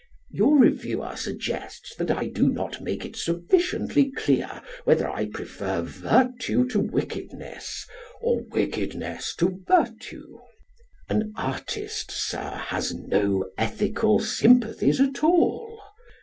Your reviewer suggests that I do not make it sufficiently clear whether I prefer virtue to wickedness or wickedness to virtue. An artist, Sir, has no ethical sympathies at all.